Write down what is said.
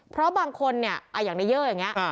เพราะบางคนเนี่ยอย่างในเยอร์อย่างนี้